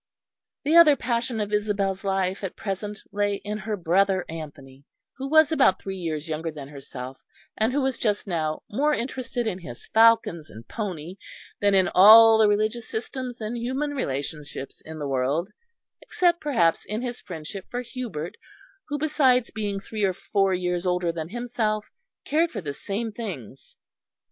The other passion of Isabel's life at present lay in her brother Anthony, who was about three years younger than herself, and who was just now more interested in his falcons and pony than in all the religious systems and human relationships in the world, except perhaps in his friendship for Hubert, who besides being three or four years older than himself, cared for the same things.